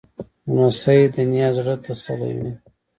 لمسی د نیا زړه تسلوي.